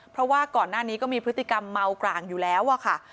เพราะว่าก่อนหน้านี้ก็มีพฤติกรรมเมากร่างอยู่แล้วอะค่ะ